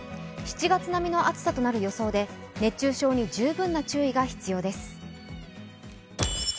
７月並みの暑さとなる予想で熱中症に十分な注意が必要です。